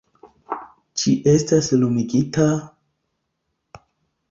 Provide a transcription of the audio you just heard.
Ĝi estas lumigita...